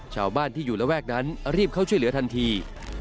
ชาวบ้านที่อยู่ระแวกนั้นรีบเข้าช่วยเหลือทันที